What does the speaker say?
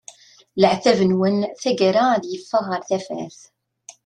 Leɛtab-nwen tagara ad yeffeɣ ɣer tafat.